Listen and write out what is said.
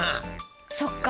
そっか。